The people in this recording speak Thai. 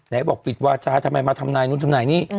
ไหนบอกปิดวาจาทำไมมาทำนายนู้นทำนายนี้